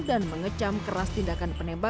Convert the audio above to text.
dan mengecam keras tindakan penembakan